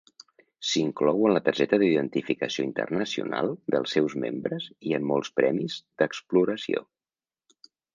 S'inclou en la targeta d'identificació internacional dels seus membres i en molts premis d'exploració.